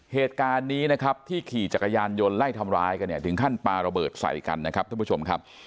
เหตุการณ์นี้นะครับที่ขี่จักรยานยนต์ไล่ทำร้ายกันเนี่ยถึงขั้นปลาระเบิดใส่กันนะครับท่านผู้ชมครับ